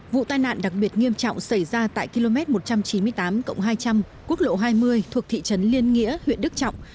vụ tai nạn đặc biệt nghiêm trọng xảy ra tại km một trăm chín mươi tám hai trăm linh quốc lộ hai mươi thuộc thị trấn liên nghĩa huyện đức trọng